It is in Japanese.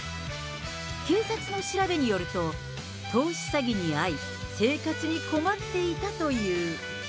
警察の調べによると、投資詐欺に遭い、生活に困っていたという。